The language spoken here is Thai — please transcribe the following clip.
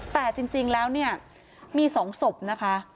แต่จริงแล้วเนี่ยมี๒ศพนะคะ